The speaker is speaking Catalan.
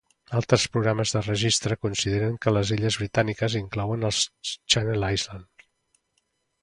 Altres programes de registre consideren que les "illes britàniques" inclouen les Channel Islands.